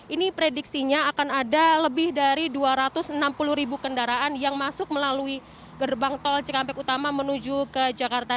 ini prediksinya akan ada lebih dari dua ratus enam puluh ribu kendaraan yang masuk melalui gerbang tol cikampek utama menuju ke jakarta